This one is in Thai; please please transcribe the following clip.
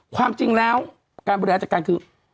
ความจริงแล้วการบริหารจัดการคือ